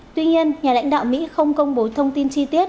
tuy nhiên nhà lãnh đạo mỹ không công bố thông tin chi tiết